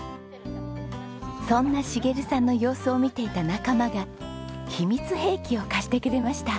そんな茂さんの様子を見ていた仲間が秘密兵器を貸してくれました。